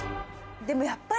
でもやっぱり。